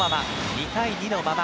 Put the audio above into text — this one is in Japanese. ２対２のまま。